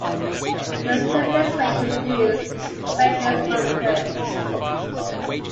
The simplest way to reduce spread is monitoring.